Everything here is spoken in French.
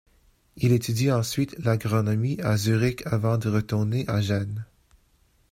Il étudie ensuite l'agronomie à Zurich avant de retourner à Gênes.